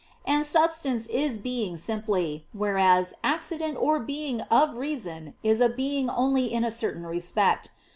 And substance is being simply, whereas accident or being "of reason" is a being only in a certain respect.